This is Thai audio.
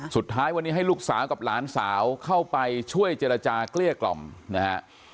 สุดท้ายวันนี้ให้ลูกสาวกับหลานสาวเข้าไปช่วยเจรจาเกลี้ยกล่อมนะฮะ